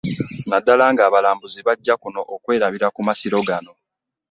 Nnaddala ng'abalambuzi bajja kuno okwerabira ku masiro gano